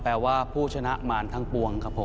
แปลว่าผู้ชนะมารทั้งปวงครับผม